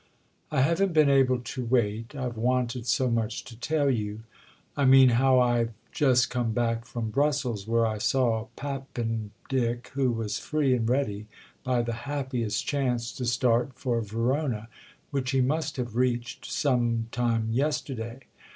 "I haven't been able to wait, I've wanted so much to tell you—I mean how I've just come back from Brussels, where I saw Pappen dick, who was free and ready, by the happiest chance, to start for Verona, which he must have reached some time yesterday."